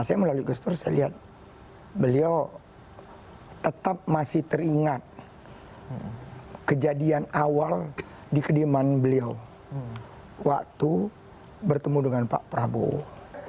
saya melalui gus dur saya lihat beliau tetap masih teringat kejadian awal di kediaman beliau waktu bertemu dengan pak prabowo